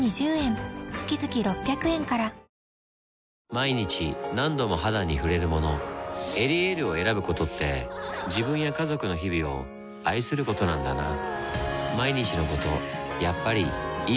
毎日何度も肌に触れるもの「エリエール」を選ぶことって自分や家族の日々を愛することなんだなぁ